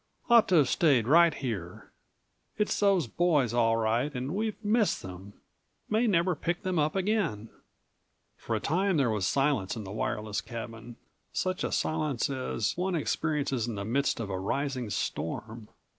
Ought to have stayed right here. It's those boys all right and we've missed them; may never pick them up again."171 For a time there was silence in the wireless cabin, such a silence as one experiences in the midst of a rising storm.